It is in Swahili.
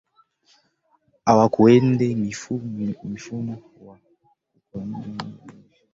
hawakuandaa mifumo wa kukomesha mauaji ya kimbari